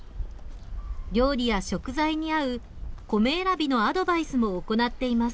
料理や食材に合う米選びのアドバイスも行っています。